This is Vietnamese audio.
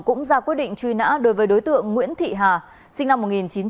cũng ra quyết định truy nã đối với đối tượng nguyễn thị hà sinh năm một nghìn chín trăm tám mươi